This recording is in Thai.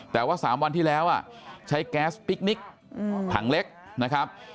แต่ว่า๓วันที่แล้วใช้แก๊สพิคนิคถังเล็กนะครับ